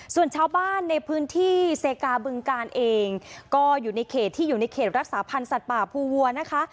ส่วนชาวบ้านในพื้นที่เซกาบึงกาลเองก็อยู่ในเขตที่อยู่ในเขตรักษาพันธ์สัตว์ป่าภูวัวนะคะ